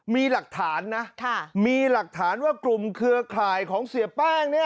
มีหลักฐานนะมีหลักฐานว่ากลุ่มเครือข่ายของเสียแป้งเนี่ย